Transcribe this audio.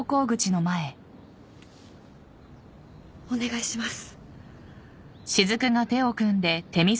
お願いします。